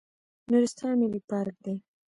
نورستان ملي پارک دی